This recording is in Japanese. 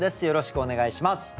よろしくお願いします。